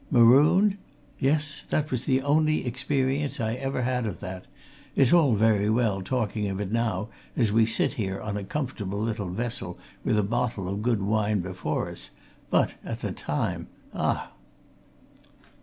Marooned? Yes! that was the only experience I ever had of that it's all very well talking of it now, as we sit here on a comfortable little vessel, with a bottle of good wine before us, but at the time ah!"